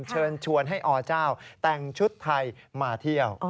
เชิญชวนให้อเจ้าแต่งชุดไทยมาเที่ยว